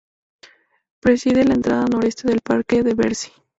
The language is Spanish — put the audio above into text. Preside la entrada noroeste del parque de Bercy.